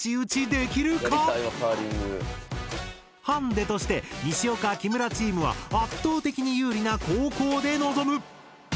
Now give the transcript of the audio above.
ハンデとして西岡・木村チームは圧倒的に有利な後攻で臨む。